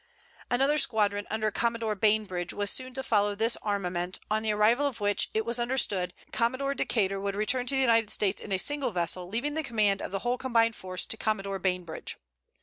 Another squadron, under Commodore Bainbridge, was soon to follow this armament, on the arrival of which, it was understood, Commodore Decater would return to the United States in a single vessel, leaving the command of the whole combined force to Commodore Bainbridge.